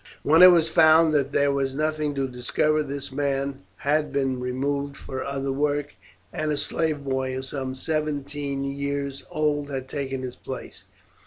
When it was found that there was nothing to discover this man had been removed for other work, and a slave boy of some seventeen years old had taken his place.